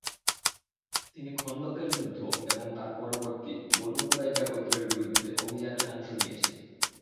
তিনি খন্দকের যুদ্ধ এবং তার পরবর্তী বনু কুরাইজা গোত্রের বিরুদ্ধে অভিযানে অংশ নিয়েছেন।